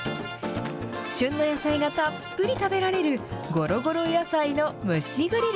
旬の野菜がたっぷり食べられる、ごろごろ野菜の蒸しグリル。